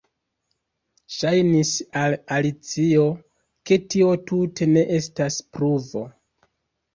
Ŝajnis al Alicio ke tio tute ne estas pruvo.